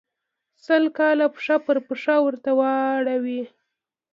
سل کاله پښه پر پښه ورته واړوي.